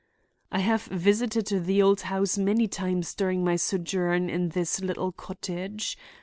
"I have visited the old house many times during my sojourn in this little cottage.